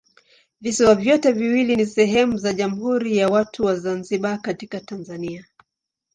Visiwa vyote viwili ni sehemu za Jamhuri ya Watu wa Zanzibar katika Tanzania.